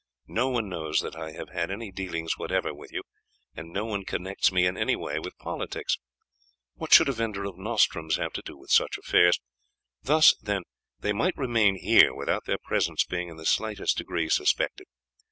No one knows that I have had any dealings whatever with you, and no one connects me in any way with politics. What should a vendor of nostrums have to do with such affairs? Thus, then, they might remain here without their presence being in the slightest degree suspected.